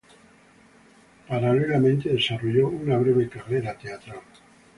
Paralelamente desarrolló una breve carrera teatral.